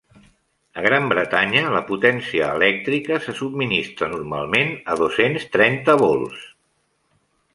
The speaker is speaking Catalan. A Gran Bretanya, la potència elèctrica se subministra normalment a dos-cents trenta volts